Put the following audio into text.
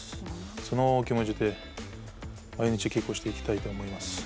その気持ちで、毎日、稽古していきたいと思います。